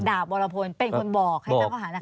อ๋อดาบวรพลเป็นคนบอกให้ตั้งอาหารหนัก